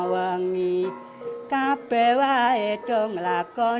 ramai di sini tetap